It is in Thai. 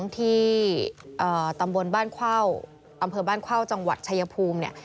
ที่ตำบลบ้านเข้าอำเภอบ้านเข้าจังหวัดชายภูมิเนี่ย